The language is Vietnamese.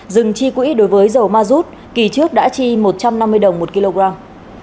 dừng chi quỹ đối với dầu ma rút kỳ trước đã chi một trăm năm mươi đồng một kg